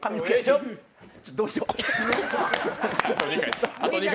どうしよ。